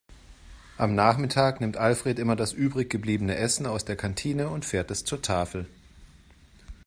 Am Nachmittag nimmt Alfred immer das übrig gebliebene Essen aus der Kantine und fährt es zur Tafel.